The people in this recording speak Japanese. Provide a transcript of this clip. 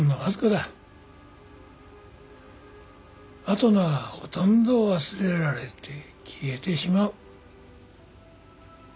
あとのはほとんど忘れられて消えてしまう。